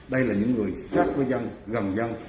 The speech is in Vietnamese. đây là những người sát với dân gầm dân